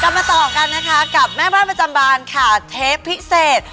มาต่อกันนะคะกับแม่บ้านประจำบานค่ะเทปพิเศษ